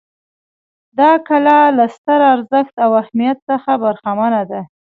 دا کلا له ستر ارزښت او اهمیت څخه برخمنه ده.